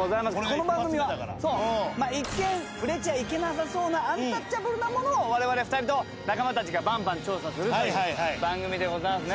この番組は一見触れちゃいけなさそうなアンタッチャブルなものを我々２人と仲間たちがバンバン調査するという番組でございますね。